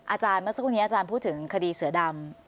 อาจารย์เมื่อสักครู่นี้อาจารย์พูดถึงคดีเสือดำ